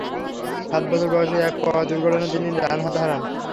সাত বছর বয়সে এক পথ দুর্ঘটনায় তিনি ডান হাত হারান।